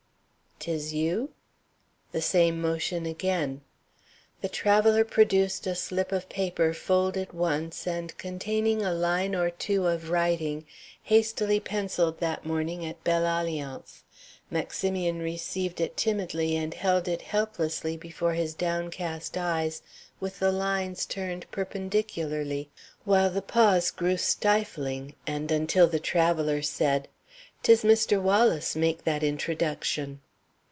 "'Tis you?" The same motion again. The traveller produced a slip of paper folded once and containing a line or two of writing hastily pencilled that morning at Belle Alliance. Maximian received it timidly and held it helplessly before his downcast eyes with the lines turned perpendicularly, while the pause grew stifling, and until the traveller said: "'Tis Mr. Wallis make that introduction."